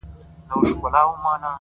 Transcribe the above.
• څومره له حباب سره ياري کوي،